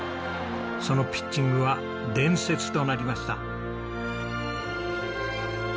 そのピッチングは伝説となりました。